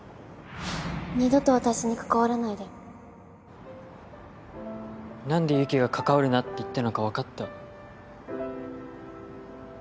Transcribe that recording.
二度と私に関わらないで何でユキが「関わるな」って言ったのか分かった。